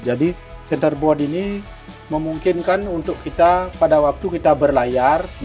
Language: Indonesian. jadi centerboard ini memungkinkan untuk kita pada waktu kita berlayar